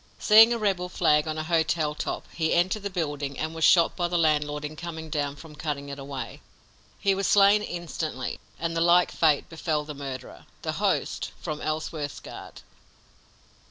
Seeing a rebel flag on a hotel top, he entered the building, and was shot by the landlord in coming down from cutting it away. He was slain instantly, and the like fate befell the murderer, the host, from Ellsworth's guard.